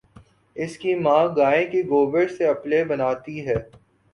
اس کی ماں گائےکے گوبر سے اپلے بناتی ہے